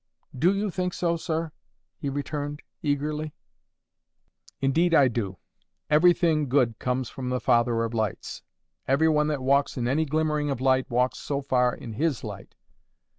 "DO you think so, sir?" he returned, eagerly. "Indeed, I do. Everything good comes from the Father of lights. Every one that walks in any glimmering of light walks so far in HIS light.